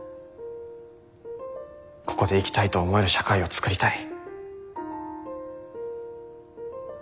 ここで生きたいと思える社会を創りたい。